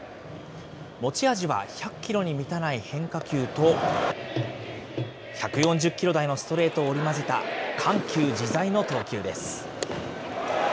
持ち味は１００キロに満たない変化球と、１４０キロ台のストレートを織り交ぜた、緩急自在の投球です。